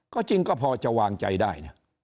ก็จริงก็พอจะวางใจได้นะ